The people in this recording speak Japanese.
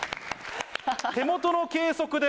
手元の計測で。